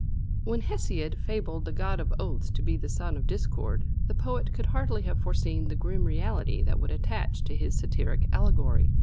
_ When Hesiod fabled the god of oaths to be the son of Discord, the poet could hardly have foreseen the grim reality that would attach to his satiric allegory.